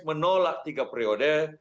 menolak tiga periode